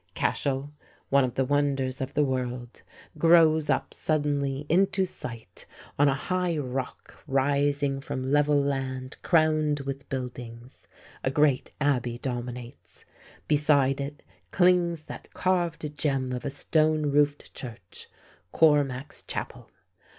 Cashel, one of the wonders of the world, grows up suddenly into sight on a high rock rising from level land crowned with buildings. A great abbey dominates; beside it clings that carved gem of a stone roofed church, Cormac's Chapel.